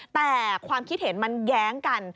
แต่ความคิดเห็นมันแย้งกัน